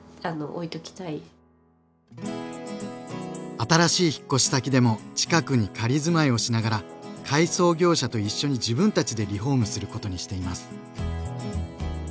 新しい引っ越し先でも近くに仮住まいをしながら改装業者と一緒に自分たちでリフォームすることにしています。